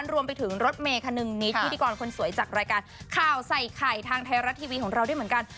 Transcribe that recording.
รวมไปถึงรถเมย์คนึงนิดพิธีกรคนสวยจากรายการข่าวใส่ไข่ทางไทยรัฐทีวีของเราด้วยเหมือนกัน